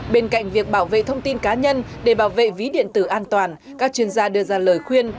bên cạnh việc bảo vệ thông tin cá nhân để bảo vệ ví điện tử an toàn các chuyên gia đưa ra lời khuyên